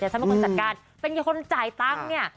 แต่ฉันเป็นคนจัดการเป็นคนจ่ายตังค์เนี่ย